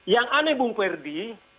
yang aneh bung ferdi